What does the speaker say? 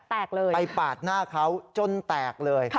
ไปปาดหน้าเขาจนแตกเลย